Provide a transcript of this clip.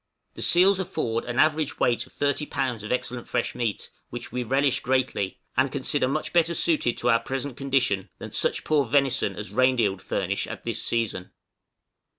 The seals afford an average weight of thirty pounds of excellent fresh meat, which we relish greatly, and consider much better suited to our present condition than such poor venison as reindeer would furnish at this season.